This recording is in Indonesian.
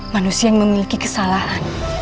manusia yang memiliki kesalahan